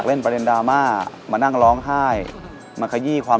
คือผมบอกว่า